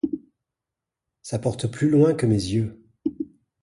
Ça porte plus loin que mes yeux...